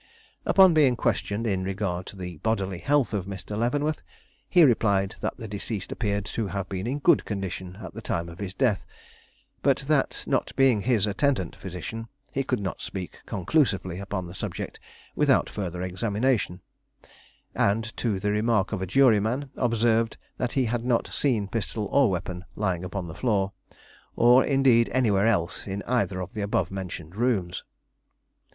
Upon being questioned in regard to the bodily health of Mr. Leavenworth, he replied that the deceased appeared to have been in good condition at the time of his death, but that, not being his attendant physician, he could not speak conclusively upon the subject without further examination; and, to the remark of a juryman, observed that he had not seen pistol or weapon lying upon the floor, or, indeed, anywhere else in either of the above mentioned rooms.